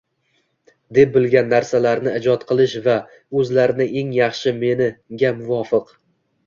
deb bilgan narsalarni ijod qilish va o‘zlarini “eng yaxshi meni” ga muvofiq